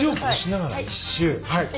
はい。